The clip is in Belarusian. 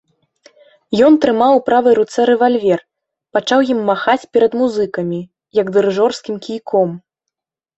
Ён трымаў у правай руцэ рэвальвер, пачаў ім махаць перад музыкамі, як дырыжорскім кійком.